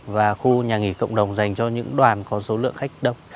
và khu nhà nghỉ cộng đồng dành cho những đoàn có số lượng khách đông